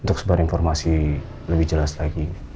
untuk sebar informasi lebih jelas lagi